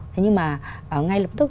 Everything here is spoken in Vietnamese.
thế nhưng mà ngay lập tức